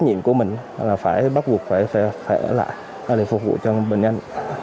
nhiệm của mình là phải bắt buộc phải ở lại để phục vụ cho bệnh nhân